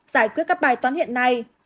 giải quyết các bài toán hiện nay